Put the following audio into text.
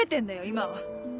今は。